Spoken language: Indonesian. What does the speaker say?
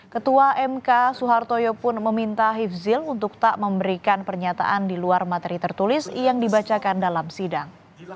ketua mk soehartoyo pun meminta hifzil untuk tak memberikan pernyataan di luar materi tertulis yang dibacakan dalam sidang